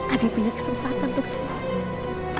abi punya kesempatan untuk sembuh